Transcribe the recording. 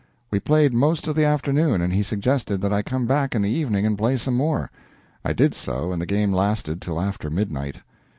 We played most of the afternoon, and he suggested that I "come back in the evening and play some more." I did so, and the game lasted till after midnight.